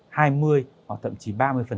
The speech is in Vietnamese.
hoặc thậm chí ba mươi